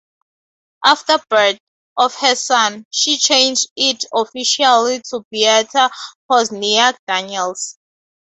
After birth of her son, she changed it officially to Beata Pozniak Daniels.